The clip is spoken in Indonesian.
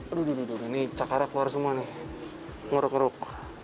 aduh ini cakarnya keluar semua nih ngeruk ngeruk